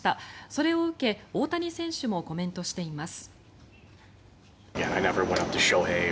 それを受け大谷選手もコメントしています。